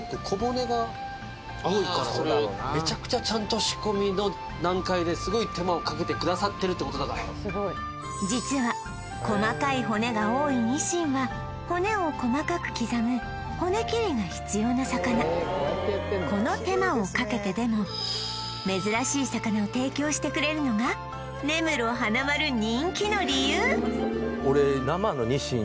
めちゃくちゃちゃんと仕込みの段階ですごい手間をかけてくださってるってことだから実は細かい骨が多いニシンは骨を細かく刻む骨切りが必要な魚この手間をかけてでも珍しい魚を提供してくれるのが根室花まる人気の理由